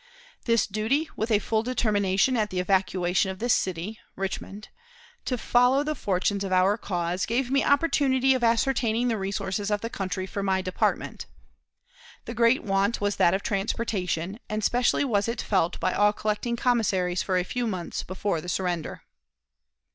This duty, with a full determination at the evacuation of this city [Richmond] to follow the fortunes of our cause, gave me opportunity of ascertaining the resources of the country for my department. The great want was that of transportation, and specially was it felt by all collecting commissaries for a few months before the surrender."